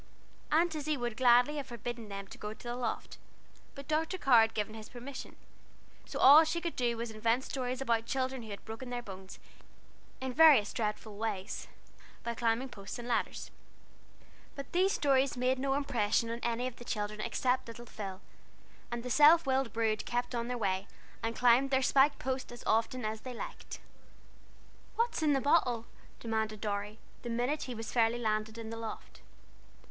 Aunt Izzie would gladly have forbidden them to go the loft, but Dr. Carr had given his permission, so all she could do was to invent stories about children who had broken their bones in various dreadful ways, by climbing posts and ladders. But these stories made no impression on any of the children except little Phil, and the self willed brood kept on their way, and climbed their spiked post as often as they liked. "What's in the bottle?" demanded Dorry, the minute he was fairly landed in the loft.